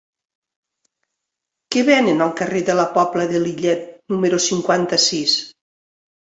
Què venen al carrer de la Pobla de Lillet número cinquanta-sis?